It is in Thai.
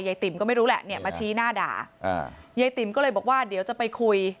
ติ๋มก็ไม่รู้แหละเนี่ยมาชี้หน้าด่าอ่ายายติ๋มก็เลยบอกว่าเดี๋ยวจะไปคุย